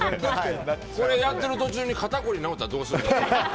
やってる途中に肩こり治ったらどうするんですか？